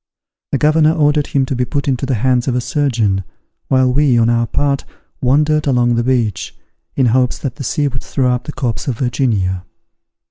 The governor ordered him to be put into the hands of a surgeon, while we, on our part, wandered along the beach, in hopes that the sea would throw up the corpse of Virginia.